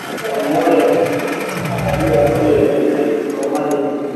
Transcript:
Jamhuri ya ki democrasia ya kongo ina mali mingi